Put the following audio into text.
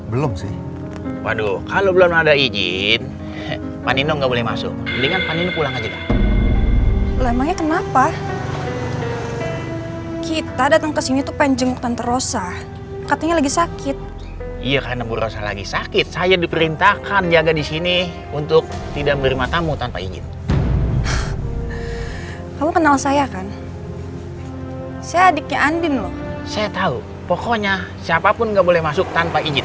belum sih waduh kalau belum ada ijin panino nggak boleh masuk mendingan paninu pulang aja emangnya kenapa kita datang ke sini tuh pengen jenguk tanpa rosa katanya lagi sakit iya karena buruk lagi sakit saya diperintahkan jaga disini untuk tidak menerima tamu tanpa ijin kamu kenal saya kan saya adiknya andin loh saya tahu pokoknya siapapun nggak boleh masuk tanpa ijin